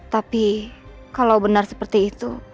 tapi kalau benar seperti itu